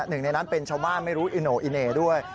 หนึ่งในนั้นเป็นชาวบ้านไม่รู้อิโน่อีเหน่ด้วย